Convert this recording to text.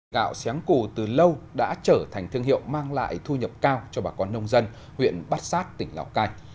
gạo sáng cù từ lâu đã trở thành thương hiệu mang lại thu nhập cao cho bà con nông dân huyện bát sát tỉnh lào cai